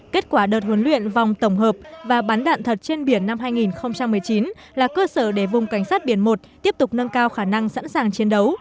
kết quả đợt huấn luyện vòng tổng hợp và bắn đạn thật trên biển năm hai nghìn một mươi chín là cơ sở để vùng cảnh sát biển một tiếp tục nâng cao khả năng sẵn sàng chiến đấu